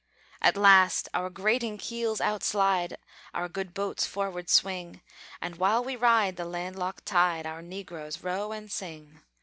At last our grating keels outslide, Our good boats forward swing; And while we ride the land locked tide, Our negroes row and sing.